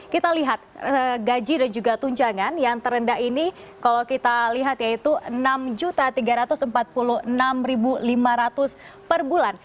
kita lihat gaji dan juga tunjangan yang terendah ini kalau kita lihat yaitu rp enam tiga ratus empat puluh enam lima ratus per bulan